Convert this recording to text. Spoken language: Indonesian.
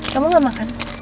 kamu gak makan